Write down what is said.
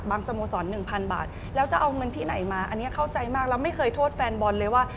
สโมสร๑๐๐บาทแล้วจะเอาเงินที่ไหนมาอันนี้เข้าใจมากแล้วไม่เคยโทษแฟนบอลเลยว่า